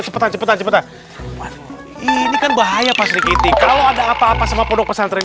cepetan cepetan cepetan ini kan bahaya pasti gini kalau ada apa apa sama pondok pesantren